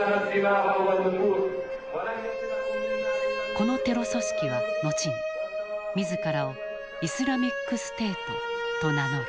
このテロ組織は後に自らをイスラミックステートと名乗る。